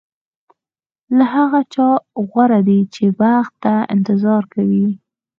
له هغه چا غوره دی چې بخت ته انتظار کوي.